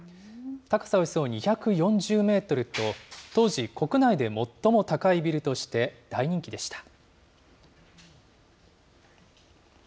高さおよそ２４０メートルと、当時、国内で最も高いビルとして、大人気でした。